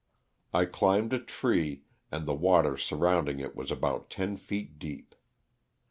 I climbed a tree, and the water surrounding it was about ten feet deep.